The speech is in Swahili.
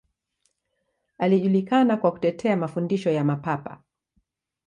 Alijulikana kwa kutetea mafundisho ya Mapapa.